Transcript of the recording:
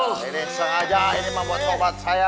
ini sengaja ini mah buat sahabat saya